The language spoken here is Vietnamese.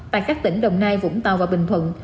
tại các tỉnh đồng nai vũng tàu và bình thuận